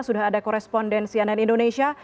sudah ada korespondensi ann indonesia